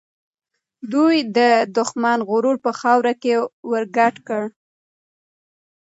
دوی د دښمن غرور په خاوره کې ورګډ کړ.